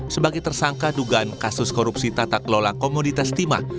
sebagai tersangka dugaan kasus korupsi tata kelola komoditas timah